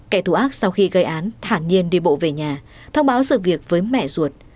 kẻ thù ác sau khi gây án thản nhiên đi bộ về nhà thông báo sự việc với mẹ ruột